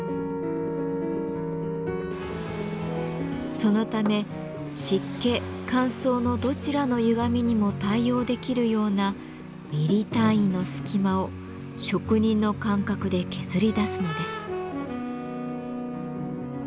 そのため湿気乾燥のどちらのゆがみにも対応できるようなミリ単位の隙間を職人の感覚で削り出すのです。